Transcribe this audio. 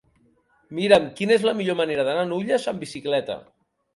Mira'm quina és la millor manera d'anar a Nulles amb bicicleta.